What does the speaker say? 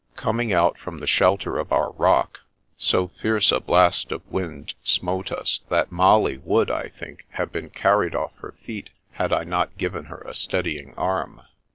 Coming out from the shelter of our rock, so fierce a blast of wind smote us that Molly would, I think, have been carried oflF her feet had I not given her a steadying arm.